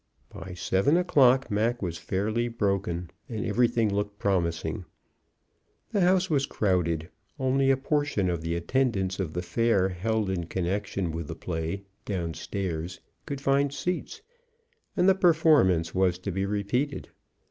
By seven o'clock Mac was fairly broken, and everything looked promising. The house was crowded; only a portion of the attendance of the fair held in connection with the play, down stairs, could find seats; and the performance was to be repeated.